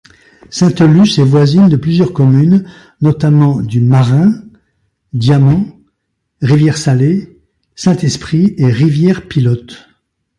Sainte-Luce est voisine de plusieurs communes, notamment du Marin, Diamant, Rivière-Salée, Saint-Esprit et Rivière-Pilote.